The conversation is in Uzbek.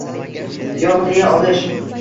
“Yo‘q” deya olish.